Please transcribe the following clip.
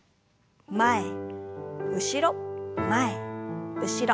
前後ろ前後ろ。